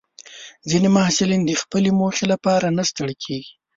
ځینې محصلین د خپلې موخې لپاره نه ستړي کېږي.